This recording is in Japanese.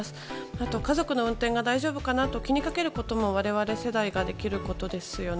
あと家族の運転が大丈夫かなと気に掛けることも我々世代ができることですよね。